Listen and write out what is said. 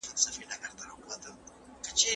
تاسو باید د خوړو د برابرولو ځای پاک وساتئ.